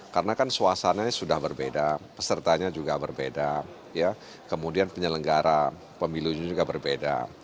karena kan suasananya sudah berbeda pesertanya juga berbeda kemudian penyelenggara pemilunya juga berbeda